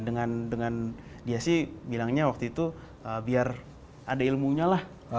dengan dia sih bilangnya waktu itu biar ada ilmunya lah